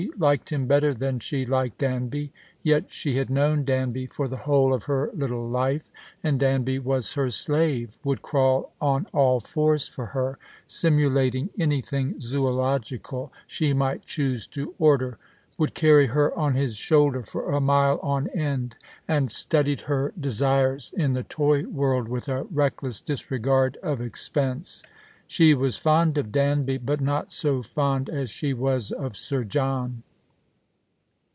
181 liked him better than she liked Danby ; yet she had knoNvn Danby for the whole of her little life, and Danby was her slave, would crawl on all fours for her, simulating anything zoological she might choose to order, would carry her on his shoulder for a mile on end, and studied her desires in the toy world with a reckless disregard of expense. She was fond of Danby, Init not so fond as she was of Sir John.